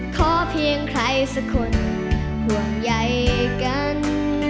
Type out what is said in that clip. ขอเพียงใครสักคนห่วงใยกัน